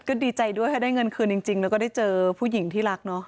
ก็ดีใจด้วยถ้าได้เงินคืนจริงแล้วก็ได้เจอผู้หญิงที่รักเนาะ